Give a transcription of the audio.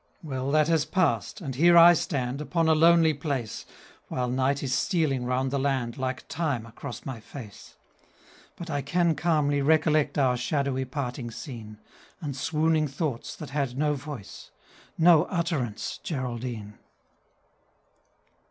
Well, that has passed, and here I stand, upon a lonely place, While Night is stealing round the land, like Time across my face; But I can calmly recollect our shadowy parting scene, And swooning thoughts that had no voice no utterance, Geraldine.